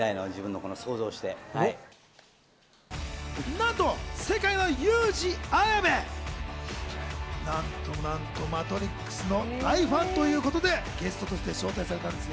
なんと世界のユウジ・アヤベ、なんとなんと『マトリックス』の大ファンということで、ゲストとして招待されたんです。